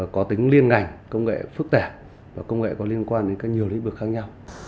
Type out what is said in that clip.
có tính liên ngành công nghệ phức tạp công nghệ có liên quan đến nhiều lĩnh vực khác nhau